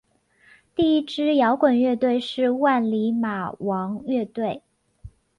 第一支摇滚乐队是万李马王乐队。